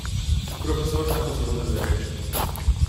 Profesor asociado de Derecho.